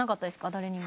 誰にも。